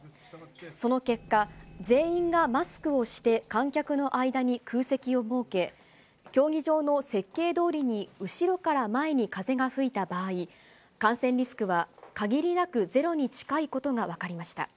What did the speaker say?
その結果、全員がマスクをして、観客の間に空席を設け、競技場の設計どおりに後ろから前に風が吹いた場合、感染リスクは限りなくゼロに近いことが分かりました。